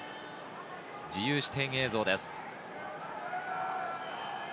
自由視点映像です。